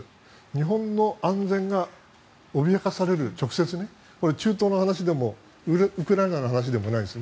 日本の安全が脅かされる直接、これは中東の話でもウクライナの話でもないです。